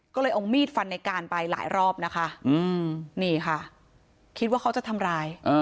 ก็เลยเอามีดฟันในการไปหลายรอบนะคะนี่ค่ะคิดว่าเขาจะทำร้าย